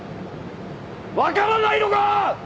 分からないのか！？